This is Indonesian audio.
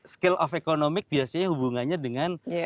skill of economic biasanya hubungannya dengan